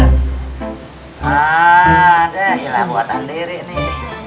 wah dahilah buatan diri nih